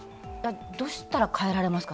どうしたら変えられますか？